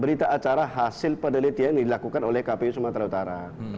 berita acara hasil penelitian yang dilakukan oleh kpu sumatera utara